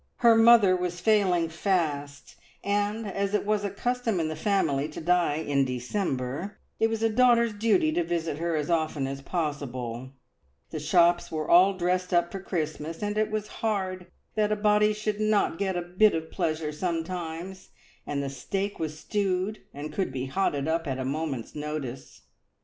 Her mother was failing fast, and as it was a custom in the family to die in December, it was a daughter's duty to visit her as often as possible; the shops were all dressed up for Christmas, and it was hard that a body should not get a bit of pleasure sometimes, and the steak was stewed, and could be "hotted up" at a moment's notice.